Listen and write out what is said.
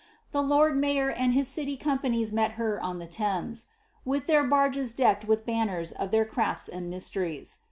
The lord mayor, and his citj' com panies met her on the Thames, ^ with their barges decked with banners of their crafts and mysteries."